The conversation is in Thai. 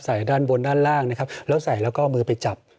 ด้านบนด้านล่างนะครับแล้วใส่แล้วก็เอามือไปจับ